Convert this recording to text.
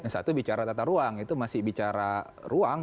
satu bicara tata ruang itu masih bicara ruang